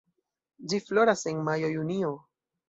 Ĝi floras en majo-junio.